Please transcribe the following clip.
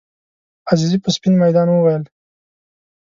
عزیزي په سپین میدان وویل.